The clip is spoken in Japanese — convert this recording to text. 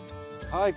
はい。